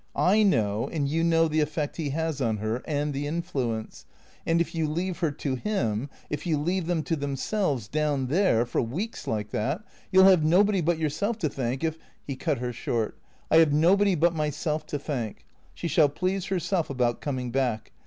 " I know, and you know the effect he has on her, and the influence ; and if you leave her to him — if you leave them to themselves, down there — for weeks like that — you '11 have nobody but yourself to thank if " He cut her short. " I have nobody but myself to thank. She shall please her self about coming back.